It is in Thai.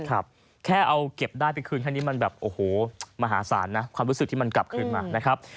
แค่เอาเก็บได้ไปคืนแค่นี้มันแบบโอ้โหมหาศาลนะความรู้สึกที่มันกลับคืนมานะครับ